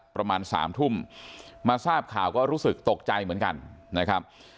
ประมาณสามทุ่มมาทราบข่าวก็รู้สึกตกใจเหมือนกันนะครับ